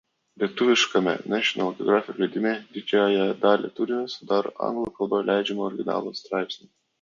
Lietuviškame National Geographic leidime didžiąją dalį turinio sudaro anglų kalba leidžiamo originalo straipsniai.